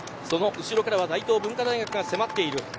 後ろからは大東文化大が迫っています。